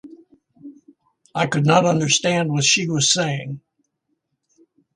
I could not understand what she was saying.